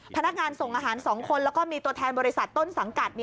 พนักงานส่งอาหาร๒คนแล้วก็มีตัวแทนบริษัทต้นสังกัด